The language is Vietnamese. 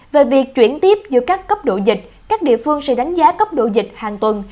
về việc chuyển tiếp giữa các cấp độ dịch các địa phương sẽ đánh giá cấp độ dịch hàng tuần